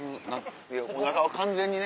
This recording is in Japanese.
いやおなかは完全にね。